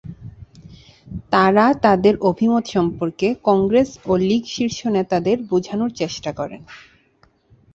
তাঁরা তাঁদের অভিমত সম্পর্কে কংগ্রেস ও লীগ শীর্ষ নেতাদের বোঝানোর চেষ্টা করেন।